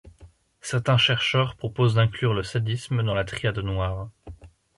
Certains chercheurs proposent d'inclure le sadisme dans la Triade Noire.